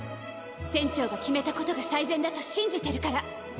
船長が決めた事が最善だと信じてるから。